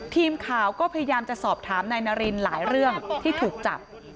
ทีมข่าวก็พยายามจะสอบถามนายนารินหลายเรื่องที่ถูกจับ